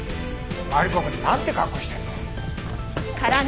マリコくんなんて格好してんの。